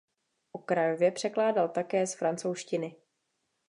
Okrajově překládal také z francouzštiny.